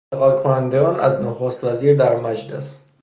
انتقاد کنندگان از نخستوزیر در مجلس